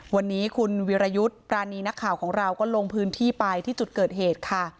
วันนี้คุณวิรยุทธ์ปรานีนักข่าวของเราก็ลงพื้นที่ไปที่จุดเกิดเหตุค่ะ